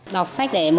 đọc sách để mở